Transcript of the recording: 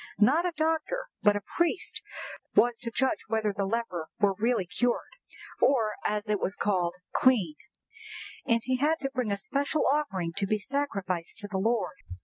Not a doctor, but a priest, was to judge whether the leper were really cured, or, as it was called, clean; and he had to bring a special offering to be sacrificed to the Lord."